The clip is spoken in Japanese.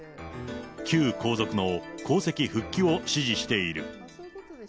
旧皇族の皇籍復帰を支持している。